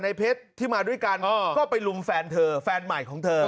เพชรที่มาด้วยกันก็ไปลุมแฟนเธอแฟนใหม่ของเธอ